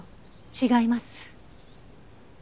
違います。